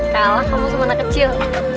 kalah kamu sama anak kecil